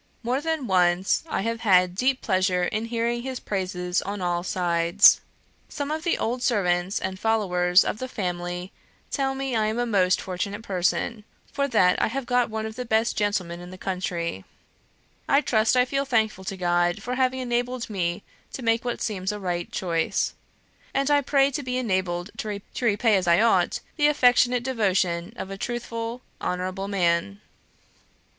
More than once I have had deep pleasure in hearing his praises on all sides. Some of the old servants and followers of the family tell me I am a most fortunate person; for that I have got one of the best gentlemen in the country. ... I trust I feel thankful to God for having enabled me to make what seems a right choice; and I pray to be enabled to repay as I ought the affectionate devotion of a truthful, honourable man."